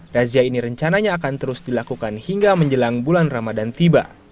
razia ini rencananya akan terus dilakukan hingga menjelang bulan ramadan tiba